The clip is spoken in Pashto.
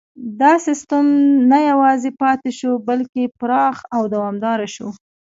دا سیستم نه یوازې پاتې شو بلکې پراخ او دوامداره شو.